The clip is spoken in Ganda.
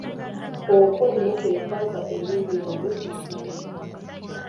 Okwo nno kwe kwava erinnya eryo Nsamba.